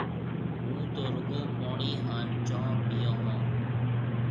هُون تو رُگو پوڻِي هانَ چونه پِيو هون۔